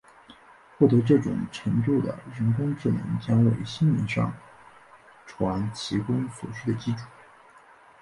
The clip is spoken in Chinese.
获得这种程度的人工智能将为心灵上传提供所需的基础。